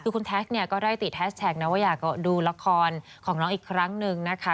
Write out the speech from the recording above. คุณแท็กก็ได้ติดแท็กว่าอยากดูละครของน้องอีกครั้งหนึ่งนะคะ